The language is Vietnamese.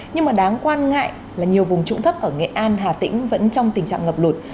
nhưng mà đáng quan ngại là nhiều vùng trũng thấp ở nghệ an hà tĩnh vẫn trong tình trạng ngập lụt